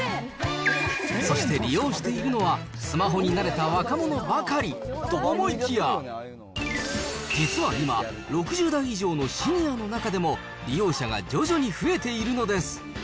そして利用しているのは、スマホに慣れた若者ばかりと思いきや、実は今、６０代以上のシニアの中でも、利用者が徐々に増えているんです。